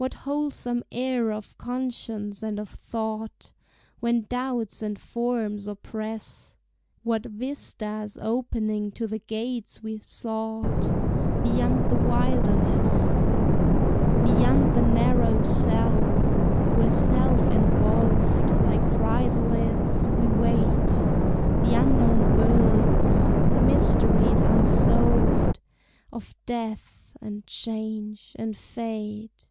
What wholesome air of conscience and of thought When doubts and forms oppress; What vistas opening to the gates we sought Beyond the wilderness; Beyond the narrow cells, where self involved, Like chrysalids, we wait The unknown births, the mysteries unsolved Of death and change and fate!